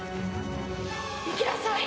行きなさい！